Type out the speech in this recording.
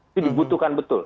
itu dibutuhkan betul